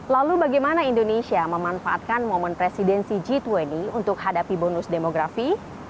lalu bagaimana indonesia memanfaatkan momen presidensi g dua puluh untuk hadapi bonus demografi